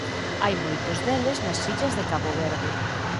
Hai moitos deles nas illas de Cabo Verde.